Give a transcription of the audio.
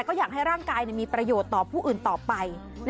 ก็อยากให้ร่างกายมีประโยชน์ต่อผู้อื่นต่อไป